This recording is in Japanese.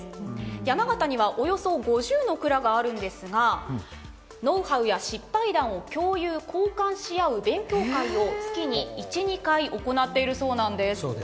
山形にはおよそ５０の蔵があるんですがノウハウや失敗談を共有・交換し合う勉強会を月に１２回行っているそうなんです。